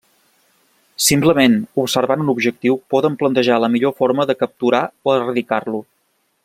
Simplement observant un objectiu poden planejar la millor forma de capturar o erradicar-lo.